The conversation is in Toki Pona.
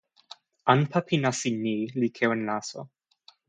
anpa pi nasin ni li kiwen laso.